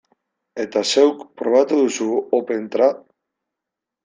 Eta zeuk, probatu duzu OpenTrad?